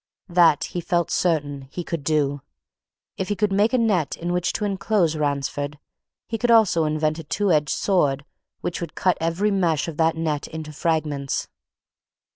That, he felt certain, he could do if he could make a net in which to enclose Ransford he could also invent a two edged sword which would cut every mesh of that net into fragments.